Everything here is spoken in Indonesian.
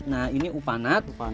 nah ini upanat